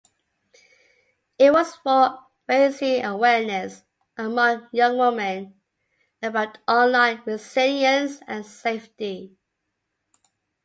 It was for raising awareness among young women about online resilience and safety.